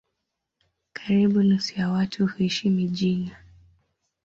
Karibu nusu ya watu huishi mijini.